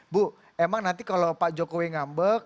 bu emang nanti kalau pak jokowi ngambek